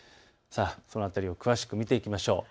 その辺りを詳しく見ていきましょう。